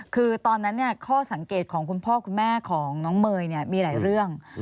คือตอนนั้นข้อสังเกตของคุณพ่อคุณแม่ของน้องเมย์มีหลายเรื่อง